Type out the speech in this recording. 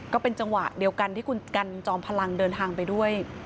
ก็เป็นจังหวะเดียวกันที่คุณกันจอมพลังเดินทางไปด้วย